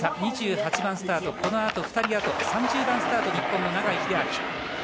２８番スタート、このあと２人３０番スタートに日本の永井秀昭。